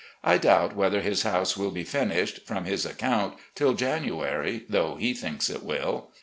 I doubt whether his house will be finished, from his account, till January, though he thinks it will.